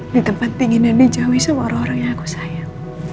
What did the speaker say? di tempat dingin yang dijauhi semua orang orang yang aku sayang